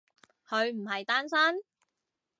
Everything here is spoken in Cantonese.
佢唔係單身？